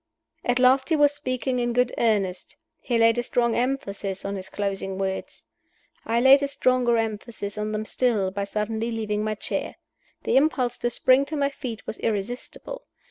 At last he was speaking in good earnest: he laid a strong emphasis on his closing words. I laid a stronger emphasis on them still by suddenly leaving my chair. The impulse to spring to my feet was irresistible.